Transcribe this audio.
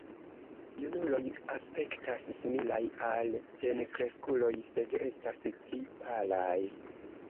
Junuloj aspektas similaj al plenkreskuloj, sed estas pli palaj.